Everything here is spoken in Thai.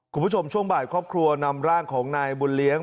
คุณผู้ชมช่วงบ่ายครอบครัวนำร่างของนายบุญเลี้ยง